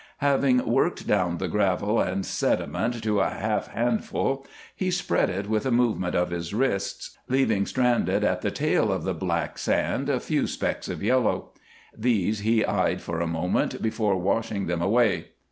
Having worked down the gravel and sediment to a half handful, he spread it with a movement of his wrists, leaving stranded at the tail of the black sand a few specks of yellow. These he eyed for a moment before washing them away.